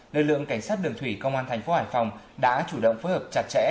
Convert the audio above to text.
lực lượng cảnh sát đường thủy công an thành phố hải phòng đã chủ động phối hợp chặt chẽ